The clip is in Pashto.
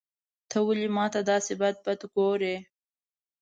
ته ولي ماته داسي بد بد ګورې.